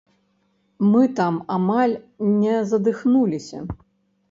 Мы там амаль не задыхнуліся.